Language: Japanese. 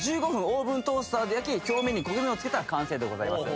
オーブントースターで焼き表面に焦げ目をつけたら完成でございます